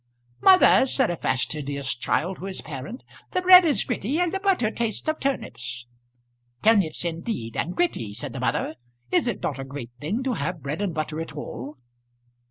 "Mother," said a fastidious child to his parent, "the bread is gritty and the butter tastes of turnips." "Turnips indeed, and gritty!" said the mother. "Is it not a great thing to have bread and butter at all?"